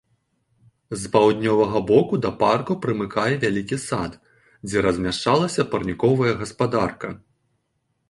З паўднёвага боку да парку прымыкае вялікі сад, дзе размяшчалася парніковая гаспадарка.